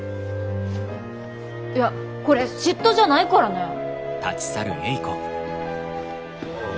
いやこれ嫉妬じゃないからねぇ。